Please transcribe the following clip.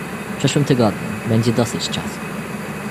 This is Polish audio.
"W przyszłym tygodniu, będzie dosyć czasu."